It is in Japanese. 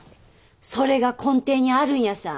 それが根底にあるんやさ。